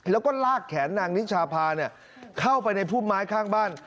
แล้วก็ลากแขนนางนิชาพาเข้าไปในพุ่มไม้ข้างบ้าน